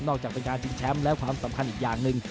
จากเป็นการชิงแชมป์แล้วความสำคัญอีกอย่างหนึ่ง